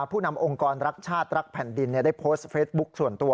ผู้นำองค์กรรักชาติรักแผ่นดินได้โพสต์เฟซบุ๊คส่วนตัว